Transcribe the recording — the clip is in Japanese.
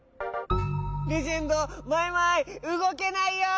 レジェンドマイマイうごけないよ！